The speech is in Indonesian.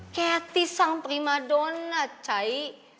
kayak tisang prima donat cahy